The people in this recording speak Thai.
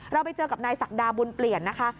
เราไปเจอกับนายศักดาบุญเปลี่ยนนะคะ